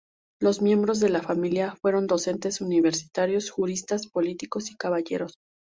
Los miembros de la familia fueron docentes universitarios, juristas, políticos y caballeros.